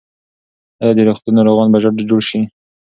ایا د روغتون ناروغان به ژر جوړ شي؟